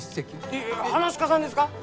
いや噺家さんですか！？